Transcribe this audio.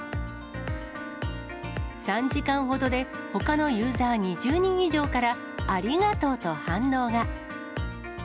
３時間ほどで、ほかのユーザー２０人以上から、ありがとうと反応が。